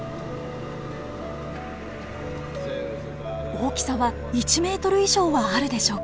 大きさは１ｍ以上はあるでしょうか。